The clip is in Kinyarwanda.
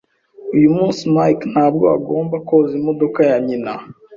Uyu munsi, Mike ntabwo agomba koza imodoka ya nyina.